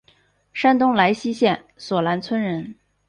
山东莱西县索兰村人。